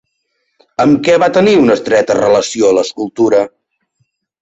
Amb què va tenir una estreta relació l'escultura?